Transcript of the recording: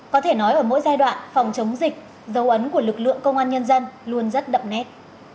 có thể nói ở mỗi giai đoạn phòng chống dịch dấu ấn của lực lượng công an nhân dân luôn rất đậm nét